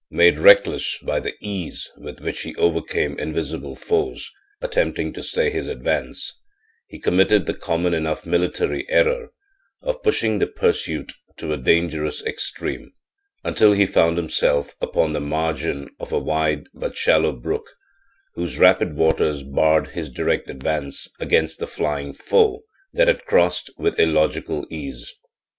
Made reckless by the ease with which he overcame invisible foes attempting to stay his advance, he committed the common enough military error of pushing the pursuit to a dangerous extreme, until he found himself upon the margin of a wide but shallow brook, whose rapid waters barred his direct advance against the flying foe that had crossed with illogical ease.